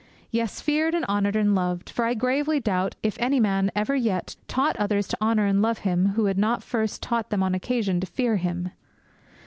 Yes, feared and honoured and loved; for I gravely doubt if any man ever yet taught others to honour and love him who had not first taught them on occasion to fear him.